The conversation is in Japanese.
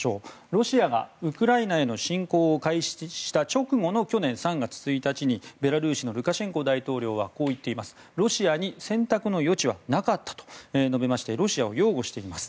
ロシアがウクライナへの侵攻を開始した直後の去年３月１日にベラルーシのルカシェンコ大統領はロシアに選択の余地はなかったと述べましてロシアを擁護しています。